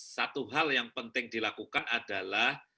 satu hal yang penting dilakukan adalah